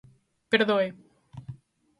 Perdoe.